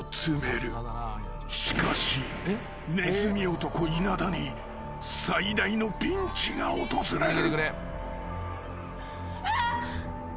［しかしねずみ男稲田に最大のピンチが訪れる］